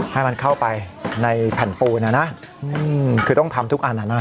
ให้มันเข้าไปในแผ่นปูนนะนะคือต้องทำทุกอันอ่ะนะ